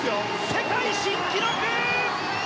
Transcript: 世界新記録！